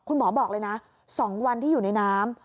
คุณหมอบอกเลยนะ๒วันที่อยู่ในน้ำ